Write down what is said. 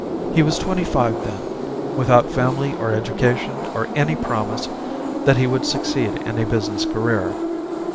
He was twenty five then, without family or education or any promise that he would succeed in a business career.